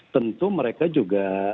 tentu mereka juga